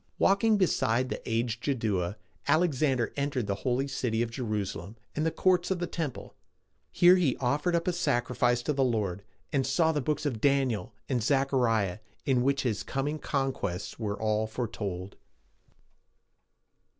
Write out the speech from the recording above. Walking beside the aged Jaddua, Alexander entered the holy city of Jerusalem and the courts of the temple. Here he offered up a sacrifice to the Lord, and saw the Books of Daniel and Zech a ri´ah, in which his coming and conquests were all foretold.